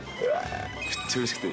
めっちゃうれしくって。